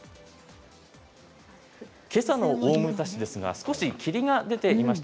けさの大牟田市ですが少し霧が出ていました。